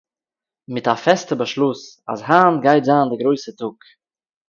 מיט א פעסטע באשלוס אז היינט גייט זיין די גרויסע טאג